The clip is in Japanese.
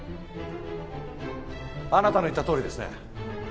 あなたの言ったとおりですね。